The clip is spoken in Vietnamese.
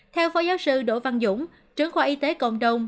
theo phó giáo sư đỗ văn dũng trưởng khoa y tế cộng đồng